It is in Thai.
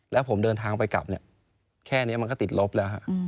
แล้วผมเดินทางไปกลับเนี่ยแค่นี้มันก็ติดลบแล้ว